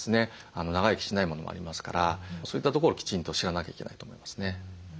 長生きしないものもありますからそういったところをきちんと知らなきゃいけないと思いますね。